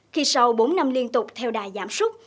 khi sau bốn năm liên tục theo đà giảm súc